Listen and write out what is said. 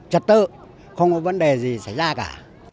trật tự không có vấn đề gì xảy ra cả